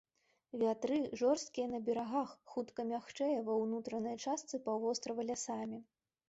Вятры, жорсткія на берагах, хутка мякчэе ва ўнутранай частцы паўвострава лясамі.